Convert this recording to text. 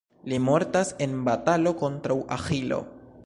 Li mortas en batalo kontraŭ Aĥilo.